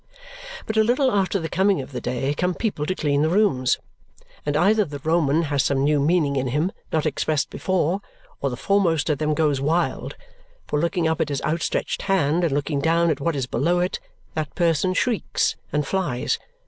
But a little after the coming of the day come people to clean the rooms. And either the Roman has some new meaning in him, not expressed before, or the foremost of them goes wild, for looking up at his outstretched hand and looking down at what is below it, that person shrieks and flies.